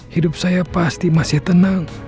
hidup saya pasti masih tenang